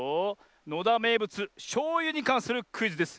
のだめいぶつしょうゆにかんするクイズです。